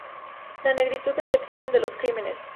La negritud es el crimen de los crímenes...